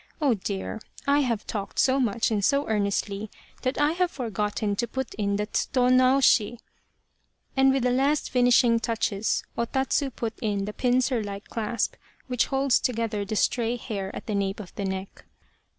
Oh dear, I have talked so much and so earnestly that I have forgotten to put in the tsuto naoshi" and with the last finishing touches O Tatsu put in the pincer like clasp which holds together the stray hair at the nape of the neck.